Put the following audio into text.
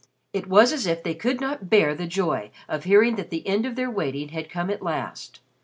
It was as if they could not bear the joy of hearing that the end of their waiting had come at last.